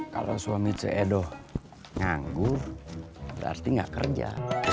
kalau suami c e doh nganggur berarti gak kerja